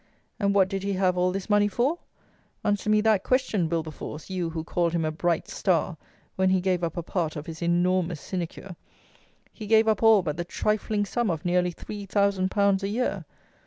And what did he have all this money for? Answer me that question, Wilberforce, you who called him a "bright star," when he gave up a part of his enormous sinecure. He gave up all but the trifling sum of nearly three thousand pounds a year!